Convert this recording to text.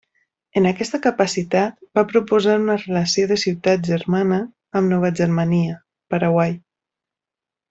En aquesta capacitat va proposar una relació de ciutat germana amb Nova Germania, Paraguai.